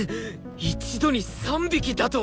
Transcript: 一度に３匹だと！？